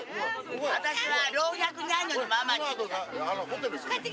私は老若男女にまあまあ人気。